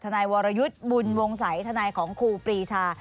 นายวรยุทธ์บุญวงศัยทนายของครูปรีชา